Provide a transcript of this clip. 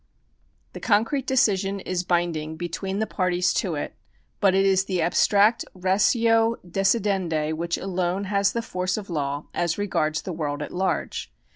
The concrete decision is binding between the parties to it, but it is the abstract ratio decidendi which alone has the force of law as regards the world at large.